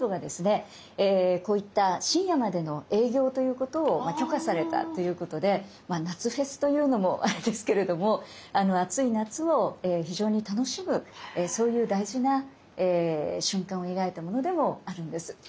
こういった深夜までの営業ということを許可されたということで夏フェスというのもあれですけれども暑い夏を非常に楽しむそういう大事な瞬間を描いたものでもあるんです。